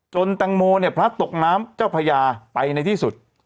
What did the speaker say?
แตงโมเนี่ยพลัดตกน้ำเจ้าพญาไปในที่สุด